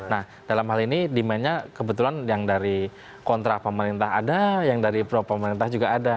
nah dalam hal ini demandnya kebetulan yang dari kontra pemerintah ada yang dari pro pemerintah juga ada